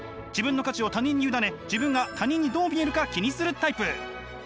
自分の価値を他人に委ね自分が他人にどう見えるか気にするタイプ。